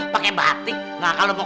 pake batik nah kalo mau